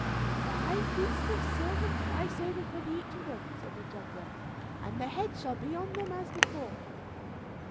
"Five pieces of silver twice over for each of them," said the juggler, "and their heads shall be on them as before."